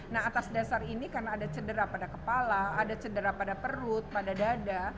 nah atas dasar ini karena ada cedera pada kepala ada cedera pada perut pada dada